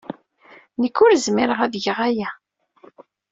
Nekk ur zmireɣ ad geɣ aya.